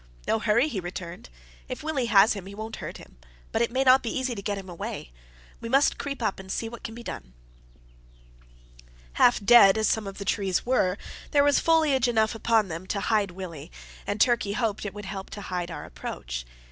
"No hurry," he returned. "If Willie has him, he won't hurt him, but it mayn't be easy to get him away. We must creep up and see what can be done." Half dead as some of the trees were, there was foliage enough upon them to hide Willie, and Turkey hoped it would help to hide our approach.